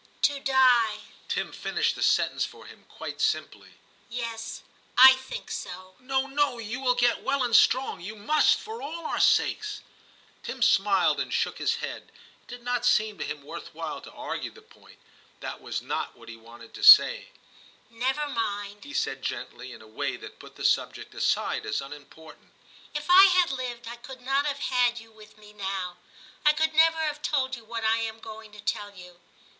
' To die/ Tim finished the sentence for him quite simply. ' Yes, I think so.' 'No, no ; you will get well and strong. You must, for all our sakes.* Tim smiled and shook his head ; it did not seem to him worth while to argue the point ; that was not what he wanted to say. ' Never mind,' he said gently, in a way that put the subject aside as unimportant. * If I had lived I could not have had you with me now. I could never have told you what I am going to tell you.